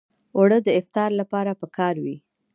اوړه د افطار لپاره پکار وي